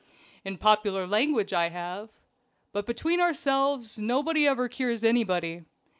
"In popular language, I have. But between ourselves nobody ever cures anybody.